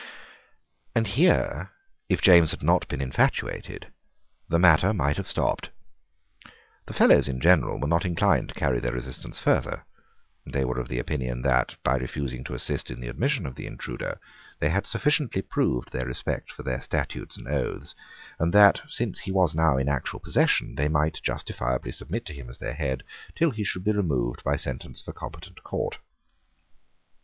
And here, if James had not been infatuated, the matter might have stopped. The Fellows in general were not inclined to carry their resistance further. They were of opinion that, by refusing to assist in the admission of the intruder, they had sufficiently proved their respect for their statutes and oaths, and that, since he was now in actual possession, they might justifiably submit to him as their head, till he should be removed by sentence of a competent court.